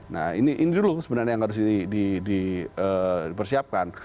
nah ini dulu sebenarnya yang harus dipersiapkan